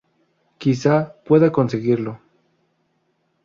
Quizás pueda conseguirlo.